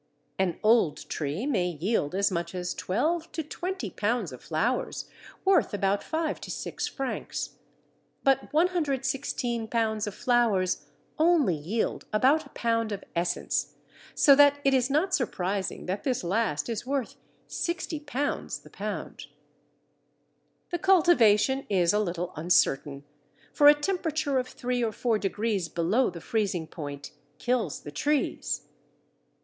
An old tree may yield as much as twelve to twenty pounds of flowers, worth about five to six francs. But 116 pounds of flowers only yield about a pound of essence, so that it is not surprising that this last is worth £60 the pound. The cultivation is a little uncertain, for a temperature of three or four degrees below the freezing point kills the trees.